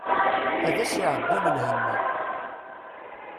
Ad as-iɛeddin lhem-a!